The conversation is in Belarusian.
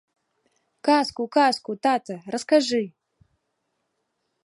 Казку, казку, тата, раскажы!